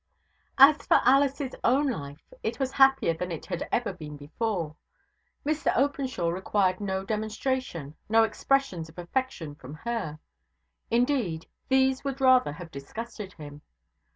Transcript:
As for Alice's own life, it was happier than it had ever been before. Mr Openshaw required no demonstration, no expressions of affection from her. Indeed, these would rather have disgusted him.